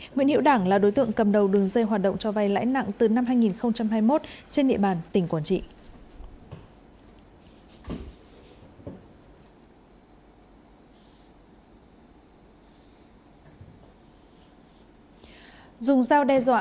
nguyễn hiệu đảng là đối tượng cầm đầu đường dây hoạt động cho vay lãi nặng từ năm hai nghìn hai mươi một trên địa bàn tỉnh quảng trị